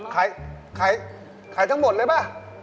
ขายทั้งหมดเลยป่ะ